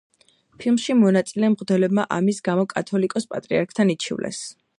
ფილმში მონაწილე მღვდლებმა ამის გამო კათოლიკოს-პატრიარქთან იჩივლეს.